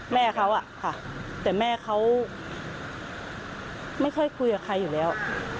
แม่เขาอะค่ะแต่แม่เขาไม่ค่อยคุยกับใครอยู่แล้ว